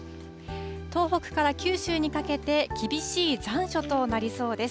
東北から九州にかけて、厳しい残暑となりそうです。